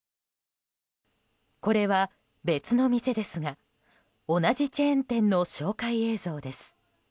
これは別の店ですが同じチェーン店の紹介映像です。